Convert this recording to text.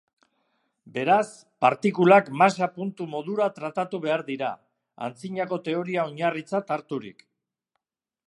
Beraz, partikulak masa-puntu modura tratatu behar dira, antzinako teoria oinarritzat harturik.